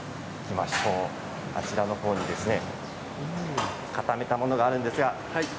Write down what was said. あちらのほうに固めたものがあります。